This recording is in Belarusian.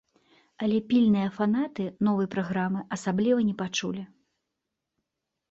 Але пільныя фанаты новай праграмы асабліва не пачулі.